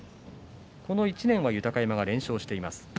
この１年は豊山が連勝しています。